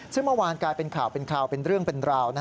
ซึ่งเมื่อวานกลายเป็นข่าวเป็นข่าวเป็นเรื่องเป็นราว